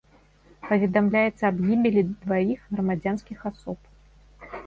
Паведамляецца аб гібелі дваіх грамадзянскіх асоб.